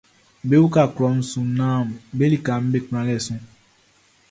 Be uka klɔʼn su nnɛnʼm be likaʼm be kplanlɛʼn su.